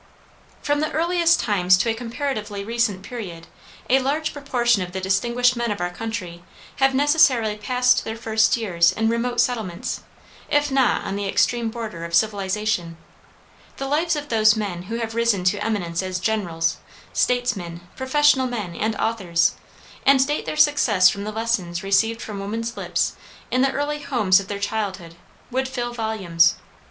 From the earliest times to a comparatively recent period, a large proportion of the distinguished men of our country have necessarily passed their first years in remote settlements, if not on the extreme border of civilization. The lives of those men who have risen to eminence as generals, statesmen, professional men, and authors, and date their success from the lessons received from woman's lips in the early homes of their childhood, would fill volumes.